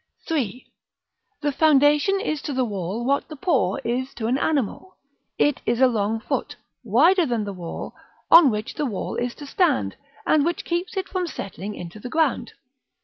§ III. The foundation is to the wall what the paw is to an animal. It is a long foot, wider than the wall, on which the wall is to stand, and which keeps it from settling into the ground.